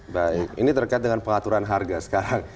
baik ini terkait dengan pengaturan harga sekarang